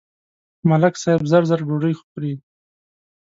ملک صاحب زر زر ډوډۍ خوري.